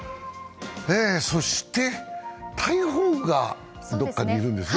そして、台風がどこかにいるんですね。